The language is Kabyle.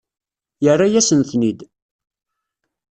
Yerra-yasen-ten-id.